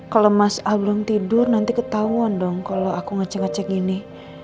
kalau mas al belum tidur nanti ketahuan dong kalau aku ngecek ngecek gini